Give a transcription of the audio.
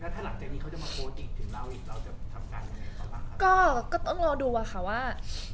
ถึงแล้วอีกเราจะทำการยังไงก็ต้องรอดูว่าค่ะว่า